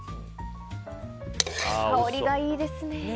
香りがいいですね。